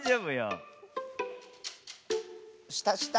したした！